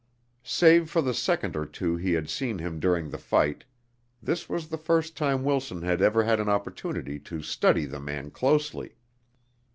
Save for the second or two he had seen him during the fight, this was the first time Wilson had ever had an opportunity to study the man closely.